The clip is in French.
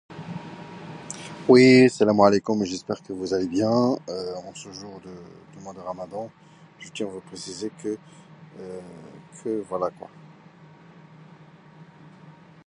Cela n’est guère possible, vous en conviendrez...